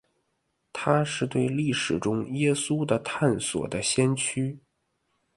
他是对历史中耶稣的探索的先驱。